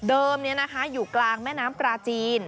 เดิมเนี่ยนะคะอยู่กลางแม่น้ำปลาจีน